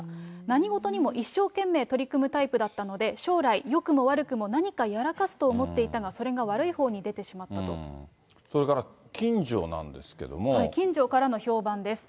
何事にも一生懸命取り組むタイプだったので、将来、よくも悪くも何かやらかすと思っていたが、それが悪いほうに出てそれから近所なんですけれど近所からの評判です。